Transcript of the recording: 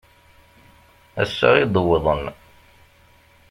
Ass-a i d-wwḍen.